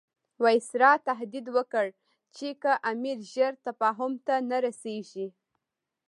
وایسرا تهدید وکړ چې که امیر ژر تفاهم ته نه رسیږي.